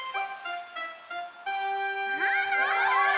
ハハハハ！